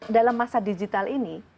dalam masa digital ini